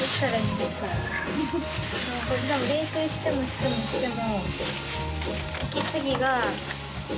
これたぶん練習してもしてもしても。